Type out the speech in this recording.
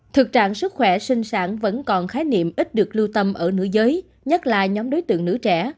thực trạng sức khỏe sinh sản vẫn còn khái niệm ít được lưu tâm ở nữ giới nhất là nhóm đối tượng nữ trẻ